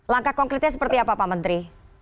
langkah konkretnya seperti apa pak menteri